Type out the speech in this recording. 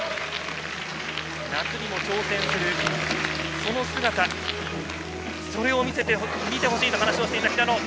夏にも挑戦する、その姿それを見てほしいと話していた平野。